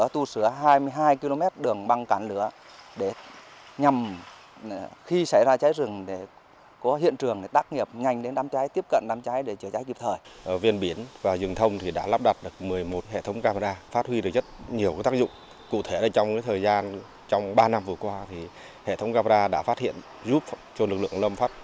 trong ba năm vừa qua hệ thống gabra đã phát hiện giúp cho lực lượng lâm pháp và chủ rừng phát hiện được một mươi một vụ cháy rừng